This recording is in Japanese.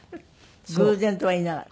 偶然とは言いながら。